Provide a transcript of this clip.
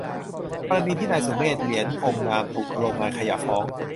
กรณีที่นายสุเมธ เหรียญพงษ์นาม ถูกโรงงานขยะฟ้อง